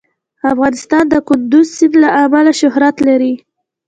افغانستان د کندز سیند له امله شهرت لري.